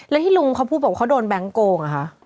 แล้วที่ลุงเขาพูดบอกว่าเขาโดนแบงค์โกงอ่ะคะ